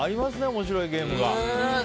面白いゲームが。